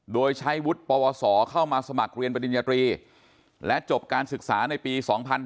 โดยใช้วุฒิปวสอเข้ามาสมัครเรียนปริญญาตรีและจบการศึกษาในปี๒๕๕๙